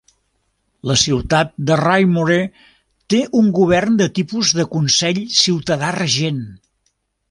La ciutat de Raymore té un govern de tipus de consell ciutadà-regent.